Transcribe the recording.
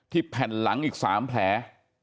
แผ่นหลังอีก๓แผล